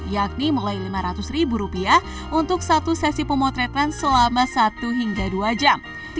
yakni mulai lima ratus ribu rupiah untuk satu sesi pemotretan selama satu hingga dua jam